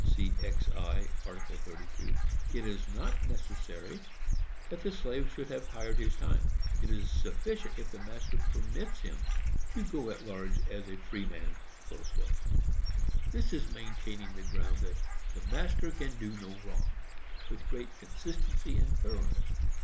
c. cxi. § 32) it is not necessary that the slave should have hired his time; it is sufficient if the master permits him to go at large as a freeman. This is maintaining the ground that "the master can do no wrong" with great consistency and thoroughness.